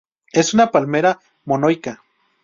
Es una palmera monoica.